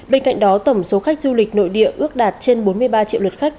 bên cạnh đó tổng số khách du lịch nội địa ước đạt trên bốn mươi ba triệu lượt khách